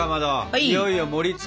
いよいよ盛りつ。